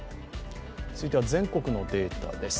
続いては全国のデータです。